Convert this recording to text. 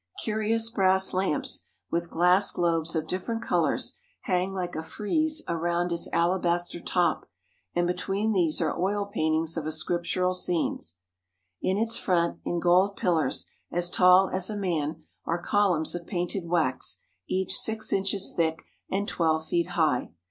Curious brass lamps, with glass globes of different colours, hang like a frieze around its alabaster top, and between these are oil paintings of scriptural scenes. In its front, in gold pillars as tall as a man, are columns of painted wax each six inches thick and twelve feet high.